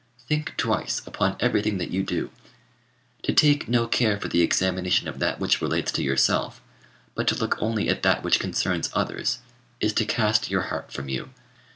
Think twice upon everything that you do. To take no care for the examination of that which relates to yourself, but to look only at that which concerns others, is to cast your heart from you.